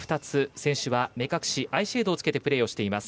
選手は目隠しアイシェードをつけてプレーしています。